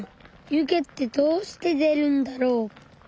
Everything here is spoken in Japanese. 湯気ってどうして出るんだろう。